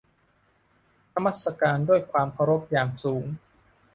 นมัสการด้วยความเคารพอย่างสูง